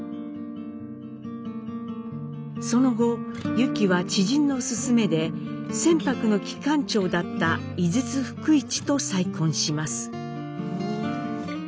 その後ユキは知人の勧めで船舶の機関長だった井筒福市と再婚します。